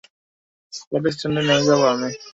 পরের স্ট্যান্ডেই নেমে যাব আমি!